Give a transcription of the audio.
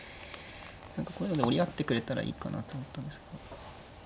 何かこういうので折り合ってくれたらいいかなと思ったんですけど。